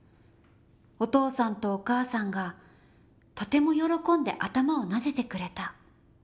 お父さんとお母さんがとても喜んで頭をなでてくれた。